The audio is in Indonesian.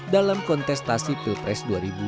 dalam kontestasi pilpres dua ribu dua puluh